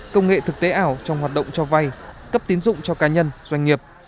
công nghệ thực tế ảo trong hoạt động cho vay cấp tín dụng cho cá nhân doanh nghiệp